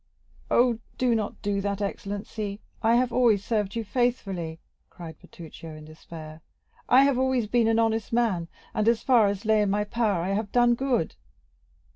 "Oh, do not do that, excellency; I have always served you faithfully," cried Bertuccio, in despair. "I have always been an honest man, and, as far as lay in my power, I have done good."